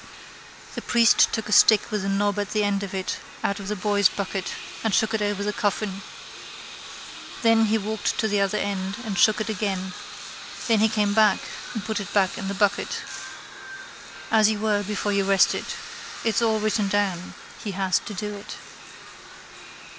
The priest took a stick with a knob at the end of it out of the boy's bucket and shook it over the coffin. Then he walked to the other end and shook it again. Then he came back and put it back in the bucket. As you were before you rested. It's all written down: he has to do it.